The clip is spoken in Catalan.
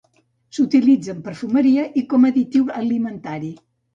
S'utilitza en perfumeria i com a additiu alimentari.